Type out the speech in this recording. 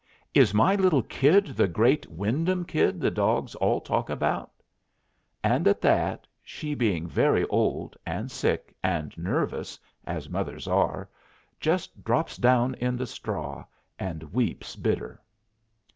Is my little Kid the great Wyndham Kid the dogs all talk about?" And at that, she being very old, and sick, and nervous, as mothers are, just drops down in the straw and weeps bitter.